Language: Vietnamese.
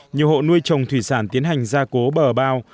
nhiều hộ nuôi trồng thủy sản tiến hành gia cố bờ bao